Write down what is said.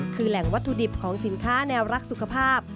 คือแหล่งวัตถุดิบของสินค้าแนวรักสุขภาพ